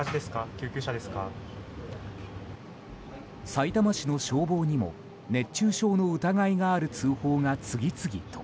さいたま市の消防にも熱中症の疑いがある通報が次々と。